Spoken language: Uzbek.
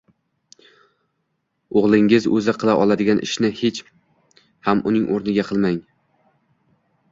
O‘g‘lingiz o‘zi qila oladigan ishni hech ham uning o‘rniga qilmang.